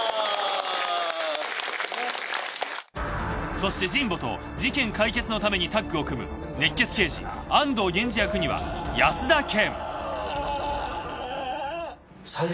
そして神保と事件解決のためにタッグを組む熱血刑事安堂源次役には安田顕。